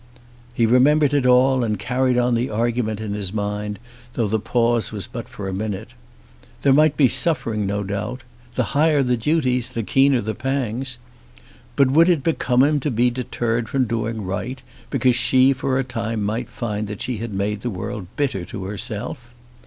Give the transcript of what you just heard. He remembered it all and carried on the argument in his mind, though the pause was but for a minute. There might be suffering, no doubt. The higher the duties the keener the pangs! But would it become him to be deterred from doing right because she for a time might find that she had made the world bitter to herself?